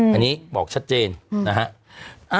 อันนี้บอกชัดเจนนะฮะ